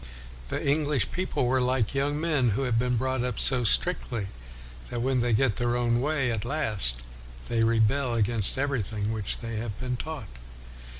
The English people were like young men who have been brought up so strictly that when they get their own way at last they rebel against everything which they have been taught.